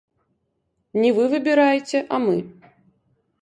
Не вы выбіраеце, а мы.